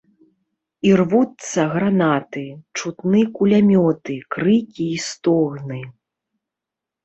Ірвуцца гранаты, чутны кулямёты, крыкі і стогны.